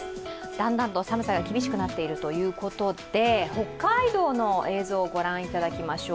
だんだんと寒さが厳しくなっているということで北海道の映像を御覧いただきましょう。